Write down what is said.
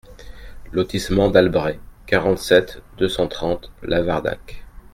Lotissement d'Albret, quarante-sept, deux cent trente Lavardac